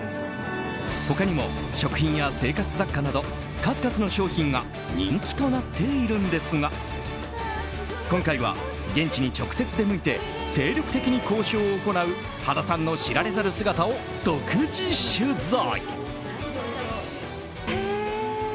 他にも食品や生活雑貨など数々の商品が人気となっているんですが今回は現地に直接出向いて精力的に交渉を行う羽田さんの知られざる姿を独自取材。